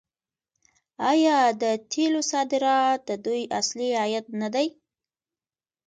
آیا د تیلو صادرات د دوی اصلي عاید نه دی؟